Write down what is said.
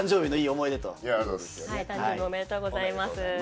おめでとうございます。